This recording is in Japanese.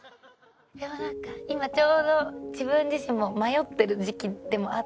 でもなんか今ちょうど自分自身も迷ってる時期でもあったので。